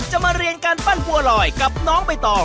จะมาเรียนการปั้นบัวรอยกับน้องไปต่อ